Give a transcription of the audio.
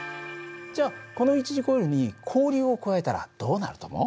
じゃあこの一次コイルに交流を加えたらどうなると思う？